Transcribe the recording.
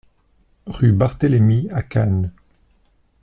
Rue Barthélémy à Cannes